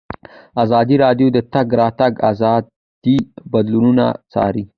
ازادي راډیو د د تګ راتګ ازادي بدلونونه څارلي.